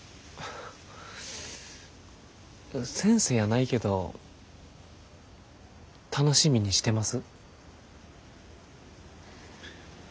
先生やないけど楽しみにしてます。